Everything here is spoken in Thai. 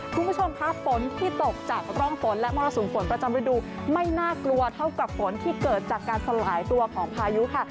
คุณผู้ชมค่ะฝนที่ตกจากร่องฝนและมรสุมฝนประจำฤดูไม่น่ากลัวเท่ากับฝนที่เกิดจากการสลายตัวของพายุค่ะ